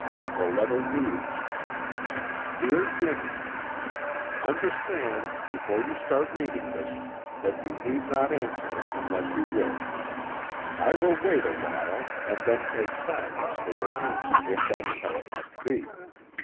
The letter reads: "Dear Jimmy: "Understand, before you start reading this, that you need not answer it unless you wish. I will wait a while, and then take silence for your answer if that is how it must be.